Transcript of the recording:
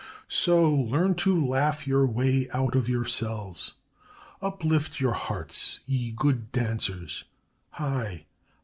"So learn to laugh your way out of yourselves! Uplift your hearts, ye good dancers, high!